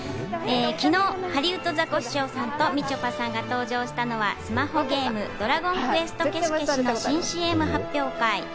昨日、ハリウッドザコシショウさんとみちょぱさんが登場したのはスマホゲーム『ドラゴンクエストけしケシ！』の新ＣＭ発表会。